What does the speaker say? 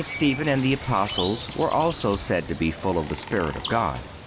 Stephen and the Apostles were also said to be full of the Spirit of God.